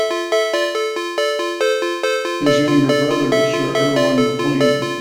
His younger brother is Sir Ewen Maclean.